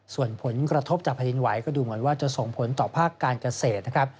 ส่วนผลกระทบจากแผ่นดินไหวก็ดูเหมือนว่าจะส่งผลต่อภาคการเกษตรนะครับ